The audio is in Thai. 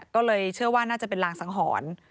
ก็เลยเชื่อว่าน่าจะเป็นรางสังหรณ์